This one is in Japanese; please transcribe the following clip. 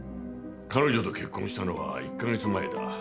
彼女と結婚したのは１カ月前だ。